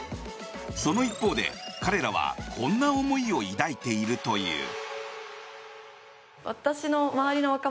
その一方で、彼らはこんな思いを抱いているという。